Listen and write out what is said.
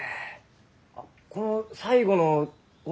あっこの最後のこれ。